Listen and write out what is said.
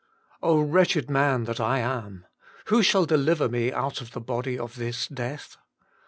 " wretched man that I am ! who shall deliver me out of the body of this death?